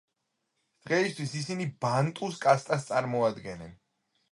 დღეისთვის ისინი ბანტუს კასტას წარმოადგენენ.